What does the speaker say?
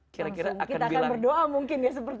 kita akan berdoa mungkin ya seperti itu